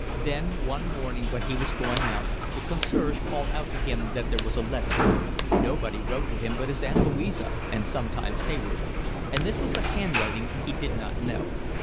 Then one morning when he was going out, the concierge called out to him that there was a letter. Nobody wrote to him but his Aunt Louisa and sometimes Hayward, and this was a handwriting he did not know.